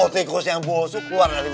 oh tikus yang boso keluar dari jendela